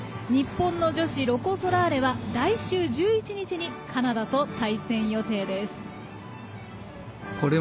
日本の女子ロコ・ソラーレは来週１１日にカナダと対戦予定です。